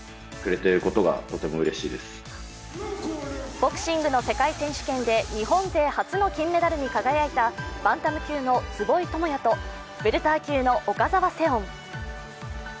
ボクシングの世界選手権で日本勢初の金メダルに輝いたバンタム級の坪井智也とウェルター級の岡澤セオン。